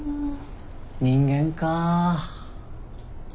人間かあ。